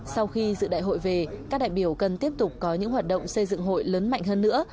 sau khi dự đại hội về các đại biểu cần tiếp tục có những hoạt động xây dựng hội lớn mạnh hơn nữa